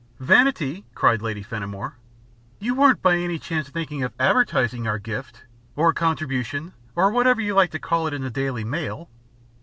"Vanity!" cried Lady Fenimore. "You weren't by any chance thinking of advertising our gift or contribution or whatever you like to call it in the Daily Mail?"